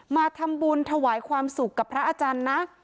มาทำบุญถวายความสุขกับพระอาจารย์นะ